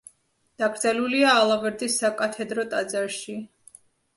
დაკრძალულია ალავერდის საკათედრო ტაძარში.